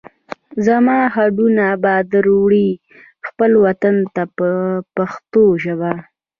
زما هډونه به در وړئ خپل وطن ته په پښتو ژبه.